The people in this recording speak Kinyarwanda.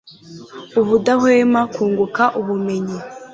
ubudahwema kunguka ubumenyi